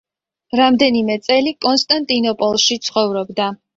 რამდენიმე წელი კონსტანტინოპოლში ცხოვრობდა.